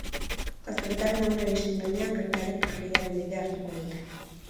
Azterketaren eguna iristen denean, gertaerek tragediaren bidea hartuko dute...